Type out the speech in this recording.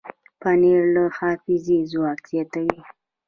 پنېر د حافظې ځواک زیاتوي.